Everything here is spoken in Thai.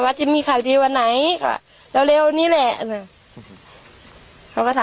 ว่าไม่ได้โดนจับหรอก